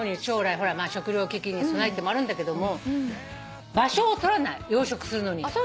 将来まあ食料危機に備えてもあるんだけども場所を取らない養殖するのに。